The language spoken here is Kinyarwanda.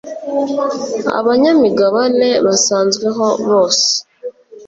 abanyamigabane basanzweho bose